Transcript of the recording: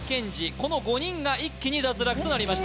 この５人が一気に脱落となりました